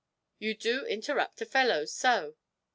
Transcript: You do interrupt a fellow so!